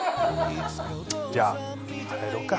じゃあ入ろうか。